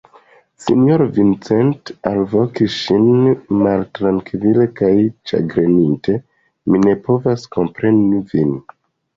Sinjoro Vincent alvokis ŝin maltrankvile kaj ĉagrenite, mi ne povas kompreni vin.